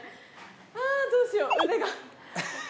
あどうしよう。